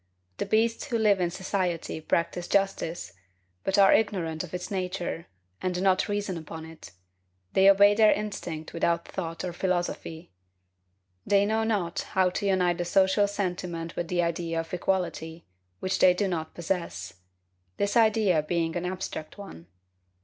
The beasts who live in society practise justice, but are ignorant of its nature, and do not reason upon it; they obey their instinct without thought or philosophy. They know not how to unite the social sentiment with the idea of equality, which they do not possess; this idea being an abstract one.